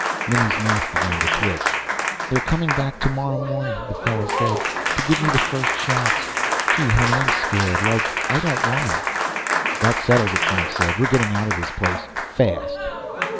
Minnie's mouth began to twitch. "They're coming back tomorra morning, the fella said. To give me the first shots. Gee, honey, I'm scared, like. I don't want 'em." "That settles it," Frank said. "We're getting out of this place, fast."